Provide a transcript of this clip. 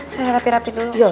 saya rapi rapi dulu